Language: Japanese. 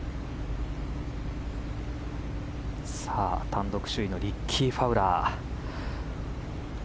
単独首位のリッキー・ファウラー。